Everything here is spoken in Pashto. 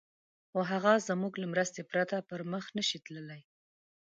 خو هغه زموږ له مرستې پرته پر مخ نه شي تللای.